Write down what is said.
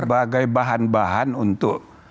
sebagai bahan bahan untuk